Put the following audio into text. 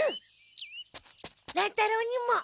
乱太郎にも。